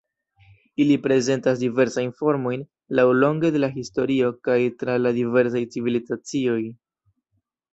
Ili prezentas diversajn formojn laŭlonge de la historio kaj tra la diversaj civilizacioj.